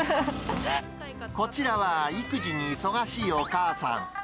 こちらは育児に忙しいお母さん。